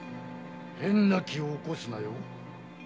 変な気を起こすなよ。